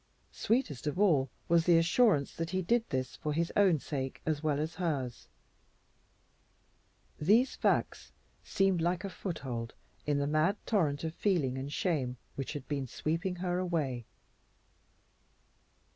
Sweetest of all was the assurance that he did this for his own sake as well as hers. These facts seemed like a foothold in the mad torrent of feeling and shame which had been sweeping her away.